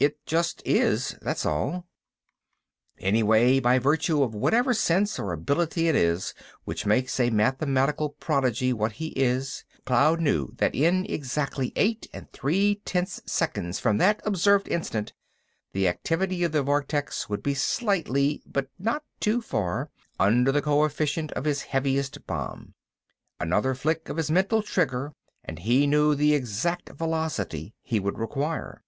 It just is, that's all. Anyway, by virtue of whatever sense or ability it is which makes a mathematical prodigy what he is, Cloud knew that in exactly eight and three tenths seconds from that observed instant the activity of the vortex would be slightly—but not too far—under the coefficient of his heaviest bomb. Another flick of his mental trigger and he knew the exact velocity he would require.